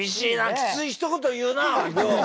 きついひと言言うなりょう。